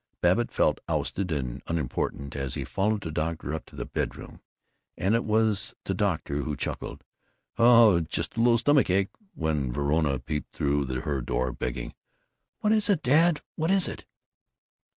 Babbitt felt ousted and unimportant as he followed the doctor up to the bedroom, and it was the doctor who chuckled, "Oh, just little stomach ache" when Verona peeped through her door, begging, "What is it, Dad, what is it?"